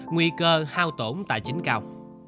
nguy cơ hao tổn tài chính cao